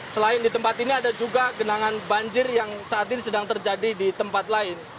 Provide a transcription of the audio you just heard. selain di tempat ini ada juga genangan banjir yang saat ini sedang terjadi di tempat lain